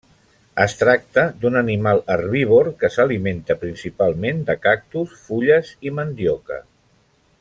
Es tracta d'un animal herbívor que s'alimenta principalment de cactus, fulles i mandioca.